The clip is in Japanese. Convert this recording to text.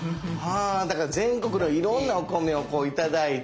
だから全国のいろんなお米を頂いて。